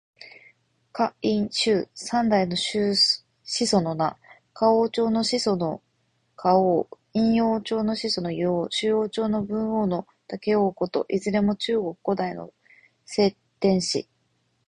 夏、殷、周の三代の始祖の名。夏王朝の始祖の禹王。殷王朝の始祖の湯王。周王朝の文王と武王のこと。いずれも中国古代の聖天子。